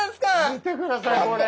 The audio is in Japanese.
見てくださいこれ。